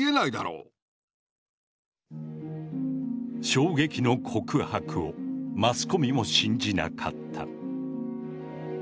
衝撃の告白をマスコミも信じなかった。